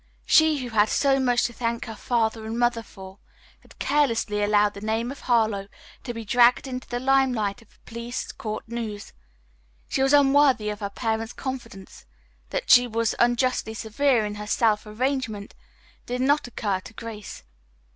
She, who had so much to thank her father and mother for, had carelessly allowed the name of Harlowe to be dragged into the limelight of police court news. She was unworthy of her parents' confidence. That she was unjustly severe in her self arraignment did not occur to Grace.